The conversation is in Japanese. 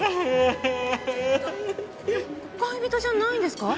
恋人じゃないんですか？